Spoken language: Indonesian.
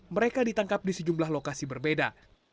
mereka ditangkap di sejumlah lokasi berbeda